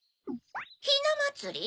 ひなまつり？